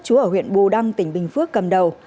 chú ở huyện bù đăng tỉnh bình phước cầm đầu